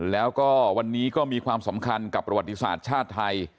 แล้วก็วันนี้ก็มีความสำคัญกับประวัติศาสตร์ชาติไทย